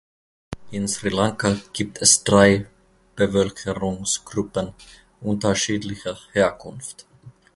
In Sri Lanka gibt es drei Bevölkerungsgruppen unterschiedlicher Herkunft.